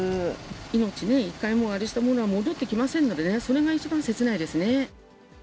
命ね、１回、あれしたものは戻ってきませんのでね、それが一番切ないですね。